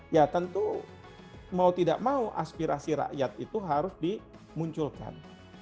ya tentu mau tidak mau aspirasi rakyat itu harus dimunculkan